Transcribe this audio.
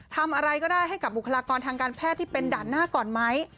ทำอะไรก็ได้ให้กับบุคลากรทางการแพทย์ที่เป็นด่านหน้าก่อนไหม